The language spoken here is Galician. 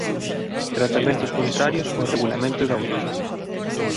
Tratamentos contrarios ao Regulamento da Unión